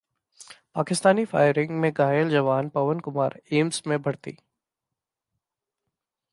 Pakistani firing में घायल जवान पवन कुमार एम्स में भर्ती